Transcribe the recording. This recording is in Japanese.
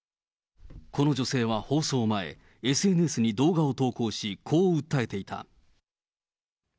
この女性は放送前、ＳＮＳに動画を投稿し、こう訴えていた。